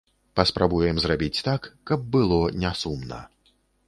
Паспрабуем зрабіць так, каб было не сумна.